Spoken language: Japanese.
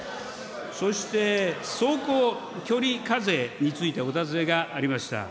そして、走行距離課税についてお尋ねがありました。